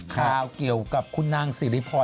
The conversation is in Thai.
ข่าวเกี่ยวกับคุณนางสิริพร